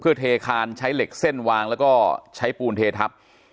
เพื่อเทคานใช้เหล็กเส้นวางแล้วก็ใช้ปูนเททับ